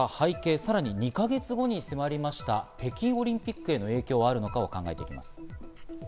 さらに２か月後に迫りました北京オリンピックへの影響はあるのかを考えていきます。